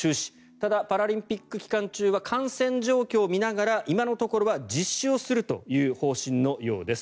ただ、パラリンピック期間中は感染状況を見ながら今のところは実施をするという方針のようです。